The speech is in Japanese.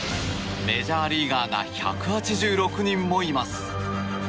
メジャーリーガーが１８６人もいます。